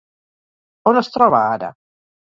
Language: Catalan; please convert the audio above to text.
On es troba, ara?